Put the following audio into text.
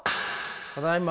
ただいま。